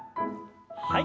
はい。